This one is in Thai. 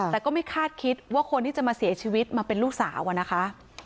แต่ก็ไม่คาดคิดว่าคนที่จะมาเสียชีวิตมาเป็นลูกสาวอะนะคะ